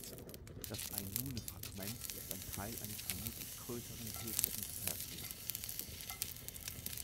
Das Ainune-Fragment ist ein Teil eines vermutlich größeren höfischen Versepos.